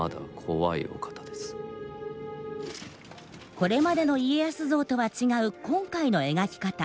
これまでの家康像とは違う今回の描き方。